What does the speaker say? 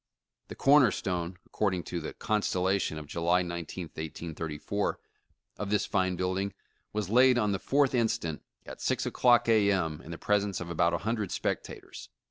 The corner stone," according to The Constella tion" of July 19th, 1834, of this fine building was laid on the 4th instant, at 6 o'clock A. M., in the pres ence of about a hundred spectators.